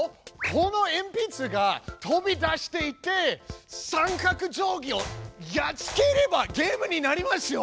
このえんぴつが飛び出していって三角定規をやっつければゲームになりますよ！